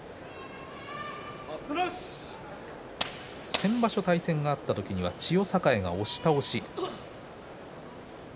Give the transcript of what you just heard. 先場所、対戦があった時には千代栄が押し倒し。